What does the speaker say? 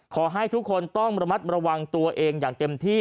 ขอให้ทุกคนต้องระมัดระวังตัวเองอย่างเต็มที่